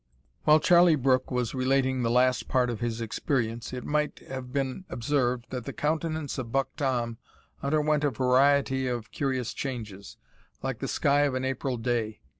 While Charlie Brooke was relating the last part of his experience, it might have been observed that the countenance of Buck Tom underwent a variety of curious changes, like the sky of an April day.